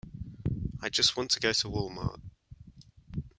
I just want to go to Wal-Mart.